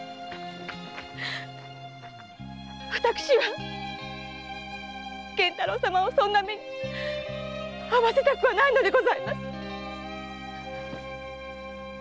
私は源太郎様をそんな目に遭わせたくはないのです！